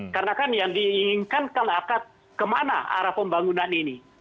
karena kan yang diinginkan akan kemana arah pembangunan ini